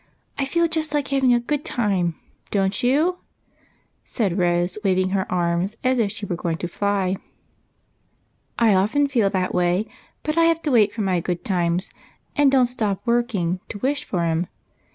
I feel just like having a good time ; don't you?" said Rose, waving her arms as if she was going to fly. " I often feel that way, but I have to wait for my good times, and don't stop working to wish for 'em.